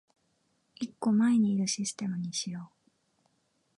一個前にいるシステムにしよう